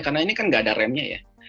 karena ini kan nggak ada remnya ya